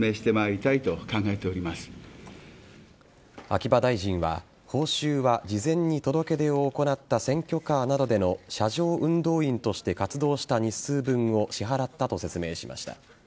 秋葉大臣は報酬は事前に届け出を行った選挙カーなどでの車上運動員として活動した日数分を支払ったと説明しました。